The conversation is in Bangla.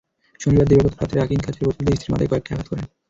শনিবার দিবাগত রাতে রাকিন কাচের বোতল দিয়ে স্ত্রীর মাথায় কয়েকটি আঘাত করেন।